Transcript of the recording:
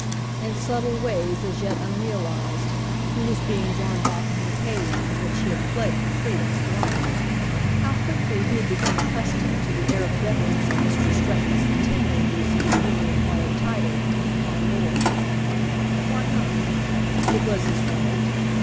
In subtile ways as yet unrealized, he was being drawn back into the cage from which he had fled for freedom and life. How quickly he had become accustomed to the air of deference in Mr. Stretton's continual use of his newly acquired title — "my lord." Why not .^^ It was his right.